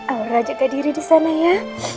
aura jaga diri disana ya